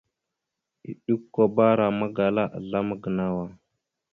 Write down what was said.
Eɗʉkabara magala azlam a gənow a.